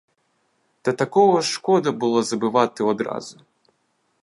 Та такого шкода було забивати одразу.